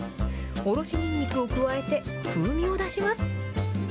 おろしにんにくを加えて風味を出します。